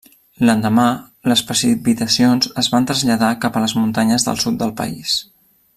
L’endemà, les precipitacions es van traslladar cap a les muntanyes del sud del país.